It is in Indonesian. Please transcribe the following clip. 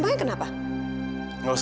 memangnya kenapa memangnya kenapa